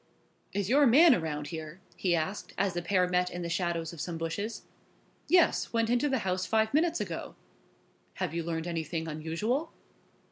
"Is your man around here?" he asked, as the pair met in the shadow of some bushes. "Yes, went into the house five minutes ago." "Have you learned anything unusual?"